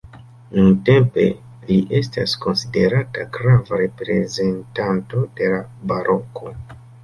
Nuntempe li estas konsiderata grava reprezentanto de la Baroko.